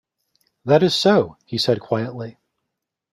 "That is so," he said quietly.